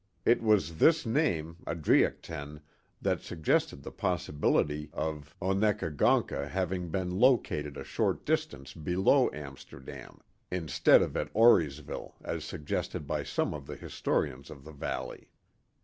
It was this name, Adriochten, that suggested the possi bility of Onekagoncka having been located a short distance below Amsterdam, instead of at Auriesville as suggested by some of the historians of the valley.